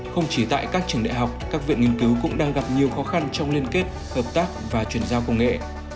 không chỉ tại các trường đại học các viện nghiên cứu cũng đang gặp nhiều khó khăn trong liên kết hợp tác và chuyển giao công nghệ